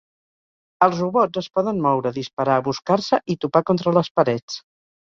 Els robots es poden moure, disparar, buscar-se, i topar contra les parets.